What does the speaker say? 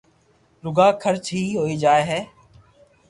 روگا خرچ ھوئي جائي ھي